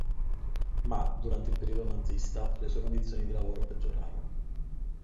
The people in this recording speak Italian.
Ma, durante il periodo nazista, le sue condizioni di lavoro peggiorarono.